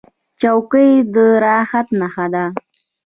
چوکۍ د راحت نښه ده.